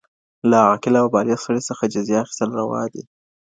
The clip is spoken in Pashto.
له عاقل او بالغ سړي څخه جزيه اخيستل روا دي.